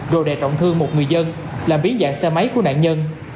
rồi đè trọng thương một người dân làm biến dạng xe máy của nạn nhân